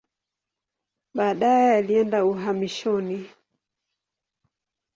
Baadaye alienda uhamishoni.